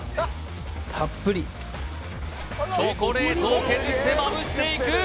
たっぷりチョコレートを削ってまぶしていく